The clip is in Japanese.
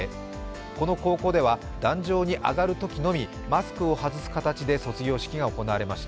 この高校では壇上に上がるときのみマスクを外す形で卒業式が行われました。